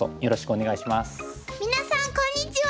皆さんこんにちは。